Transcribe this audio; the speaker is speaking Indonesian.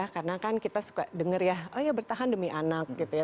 karena kan kita suka denger ya bertahan demi anak gitu ya